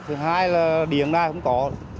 thứ hai là điểm này không có